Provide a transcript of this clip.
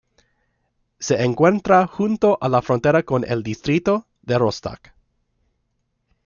Se encuentra junto a la frontera con el distrito de Rostock.